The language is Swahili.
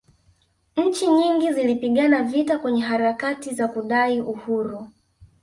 nchi nyingi zilipigana vita kwenye harakati za kudai uhuru